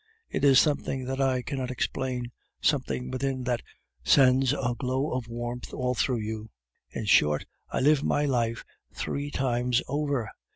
It is something that I cannot explain, something within that sends a glow of warmth all through you. In short, I live my life three times over.